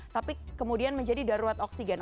tapi kemudian menjadi darurat oksigen